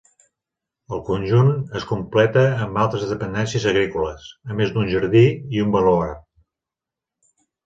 El conjunt es completa amb altres dependències agrícoles, a més d'un jardí i un baluard.